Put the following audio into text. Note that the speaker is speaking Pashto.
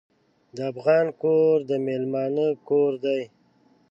د افغان کور د میلمانه کور دی.